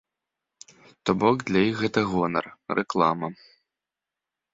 То бок для іх гэта гонар, рэклама.